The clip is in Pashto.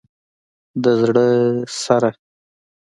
د زړه سره